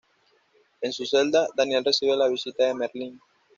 En su celda, Daniel recibe la visita de Merlín.